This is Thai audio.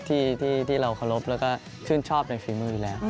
ที่เรากะลบและก็ชื่นชอบในฟิมูลอยู่แล้ว